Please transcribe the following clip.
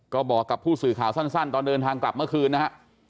ก็บอกกับผู้สื่อข่าวสั้นตอนเดินทางกลับเมื่อคืนนะฮะ